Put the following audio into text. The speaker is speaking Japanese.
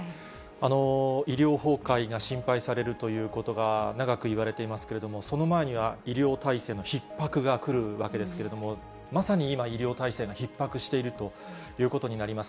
医療崩壊が心配されるということが長くいわれていますけれども、その前には医療体制のひっ迫がくるわけですけれども、まさに今、医療体制がひっ迫しているということになります。